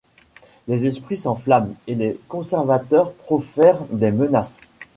Les esprits s’enflamment et les conservateurs profèrent des menaces.